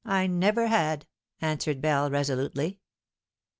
I never had," answered Bell resolutely.